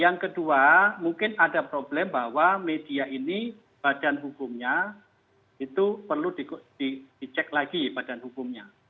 yang kedua mungkin ada problem bahwa media ini badan hukumnya itu perlu dicek lagi badan hukumnya